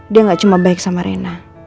dia gak cuma baik sama rena